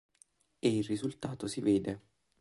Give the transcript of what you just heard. E il risultato si vede.